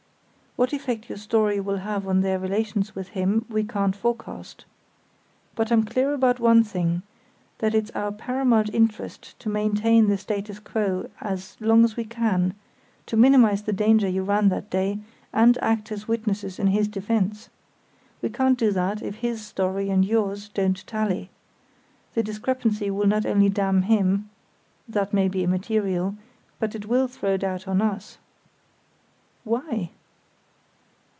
What effect your story will have on their relations with him we can't forecast. But I'm clear about one thing, that it's our paramount interest to maintain the status quo as long as we can, to minimise the danger you ran that day, and act as witnesses in his defence. We can't do that if his story and yours don't tally. The discrepancy will not only damn him (that may be immaterial), but it will throw doubt on us." "Why?"